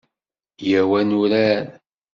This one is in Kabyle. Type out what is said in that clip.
Yyaw ad nurar.